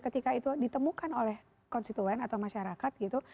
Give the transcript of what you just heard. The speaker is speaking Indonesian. ketika itu ditemukan oleh konstituen atau masyarakat gitu